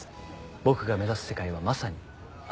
僕が目指す世界はまさに蟻。